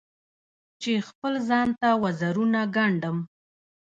چې خپل ځان ته وزرونه ګنډم